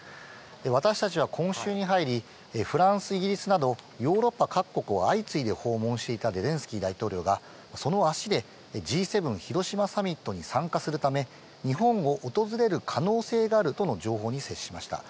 私たちは今週に入り、フランス、イギリスなど、ヨーロッパ各国を相次いで訪問していたゼレンスキー大統領が、その足でＧ７広島サミットに参加するため、日本を訪れる可能性があるとの情報に接しました。